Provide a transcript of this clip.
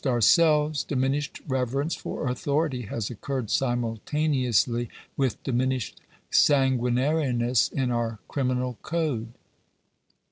ourselves, diminished reverence for authority has occurred simultaneously with diminished sanguinariness in our criminal code.